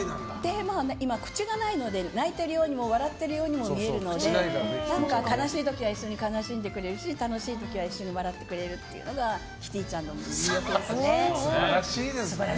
口がないので泣いてるようにも笑ってるようにも見えるので悲しい時は一緒に悲しんでくれるし楽しい時は一緒に笑ってくれるというのが素晴らしいですね。